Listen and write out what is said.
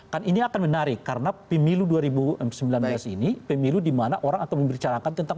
kan ini akan menarik karena pemilu dua ribu sembilan belas ini pemilu dimana orang akan membicarakan tentang